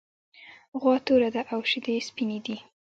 غوا توره ده او شیدې یې سپینې دي.